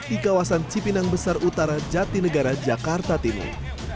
di kawasan cipinang besar utara jatinegara jakarta timur